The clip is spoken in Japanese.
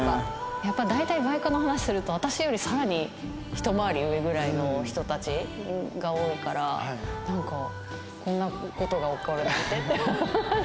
やっぱり大体バイクの話すると私よりさらに一回り上ぐらいの人たちが多いからなんかこんな事が起こるなんてって。